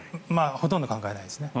ほとんど考えないですね。